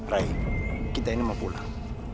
rai kita ini mau pulang